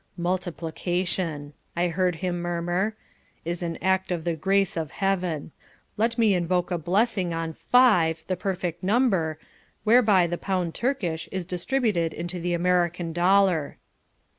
"Multiplication," I heard him murmur, "is an act of the grace of heaven; let me invoke a blessing on FIVE, the perfect number, whereby the Pound Turkish is distributed into the American dollar."